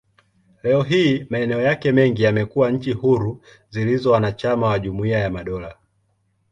Leo hii, maeneo yake mengi yamekuwa nchi huru zilizo wanachama wa Jumuiya ya Madola.